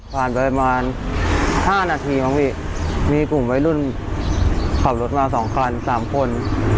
ผ่านไปประมาณ๕นาทีมั้งพี่มีกลุ่มวัยรุ่นขับรถมา๒คัน๓คน